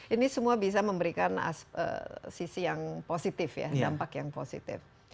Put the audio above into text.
ini semua bisa memberikan sisi yang positif ya dampak yang positif